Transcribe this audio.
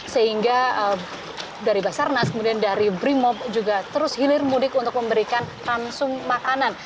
sehingga dari basarnas kemudian dari brimob juga terus hilir mudik untuk memberikan langsung makanan